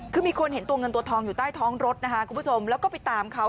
คือมีคนเห็นตัวเงินตัวทองอยู่ใต้ท้องรถนะคะคุณผู้ชมแล้วก็ไปตามเขา